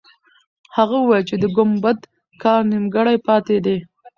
هغه وویل چې د ګمبد کار نیمګړی پاتې دی.